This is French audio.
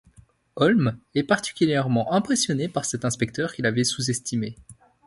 Holmes est particulièrement impressionné par cet inspecteur qu'il avait sous-estimé.